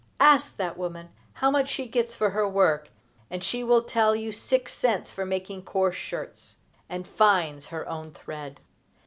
Ask that woman how much she gets for her work, and she will tell you six cents for making coarse shirts, and finds her own thread!